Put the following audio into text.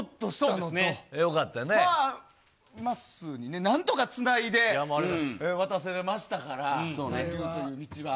まあ、まっすーにね、なんとかつないで渡せれましたから。